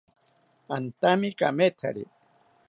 Antami kamethari